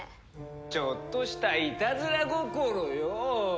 ちょっとしたいたずら心よ！